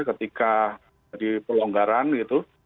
ketika jadi pelonggaran gitu